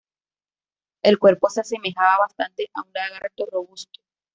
El cuerpo se asemejaba bastante a un lagarto robusto.